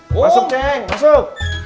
masuk neng masuk